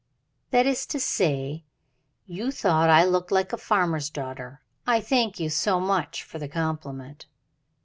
"That is to say you thought I looked like a farmer's daughter. I thank you so much for the compliment."